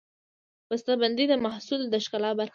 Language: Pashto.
بستهبندي د محصول د ښکلا برخه ده.